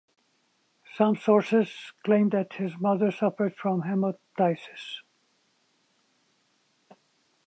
Some sources claim that his mother suffered from hemoptysis.